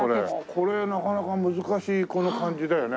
これなかなか難しい感じだよね。